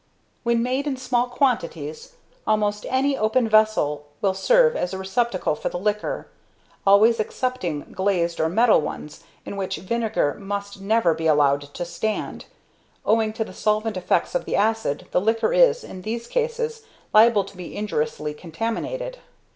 ] When made in small quantities almost any open vessel will serve as a receptacle for the liquor, always excepting glazed or metal ones, in which vinegar must never be allowed to stand. Owing to the solvent effects of the acid, the liquor is, in these cases, liable to be injuriously contaminated.